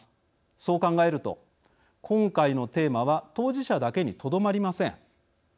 そう考えると今回のテーマは当事者だけにとどまりません。